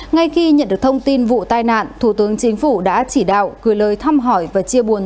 ngay khi nhận được thông tin vụ tai nạn thủ tướng chính phủ đã chỉ đạo gửi lời thăm hỏi và chia buồn